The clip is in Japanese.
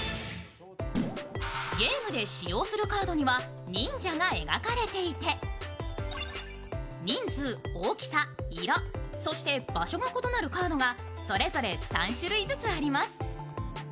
ゲームで使用するカードには忍者が描かれていて人数、大きさ、色、そして場所が異なるカードがそれぞれ３種類ずつあります。